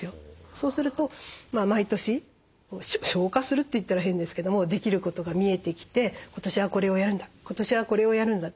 そうすると毎年消化するといったら変ですけどもできることが見えてきて今年はこれをやるんだ今年はこれをやるんだって。